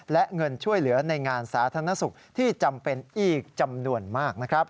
และเงินช่วยเหลือในงานสาธารณสุขที่จำเป็นอีกจำนวนมากนะครับ